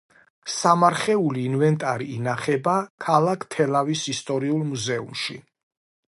სამარხეული ინვენტარი ინახება ქალაქ თელავის ისტორიულ მუზეუმში.